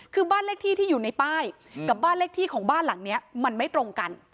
คือบ้านเลขที่ที่อยู่ในป้ายกับบ้านเลขที่ของบ้านหลังนี้มันไม่ตรงกัน